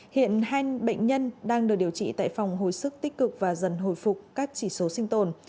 hiện hai bệnh nhân đang được điều trị tại phòng hồi sức tích cực và dần hồi phục các chỉ số sinh tồn